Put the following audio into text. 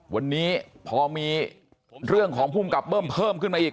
วันนี้พอมีเรื่องของภูมิกับเบิ้มเพิ่มขึ้นมาอีก